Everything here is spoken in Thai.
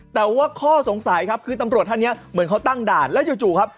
แต่ว่าข้อสงสัยครับคือตำรวจท่านนี้เหมือนเขาตั้งด่านแล้วจู่ครับ